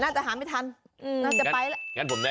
งั้นผมแนะนำอย่างนี้